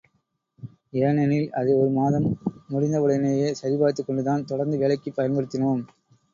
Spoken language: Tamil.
ஏனெனில் அதை ஒரு மாதம் முடிந்தவுடனேயே சரிபார்த்துக் கொண்டுதான் தொடர்ந்து வேலைக்குப் பயன்படுத்தினோம்.